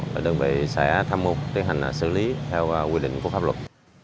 và đơn vị sẽ thăm mưu tiến hành xử lý theo quy định của pháp luật